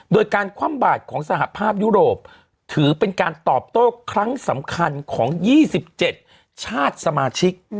โดยการคว่ำบาดของสหภาพยุโรปถือเป็นการตอบโต้ครั้งสำคัญของ๒๗ชาติสมาชิก